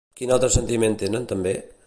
Quin altre sentiment tenen també?